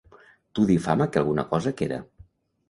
Tu difama que alguna cosa queda.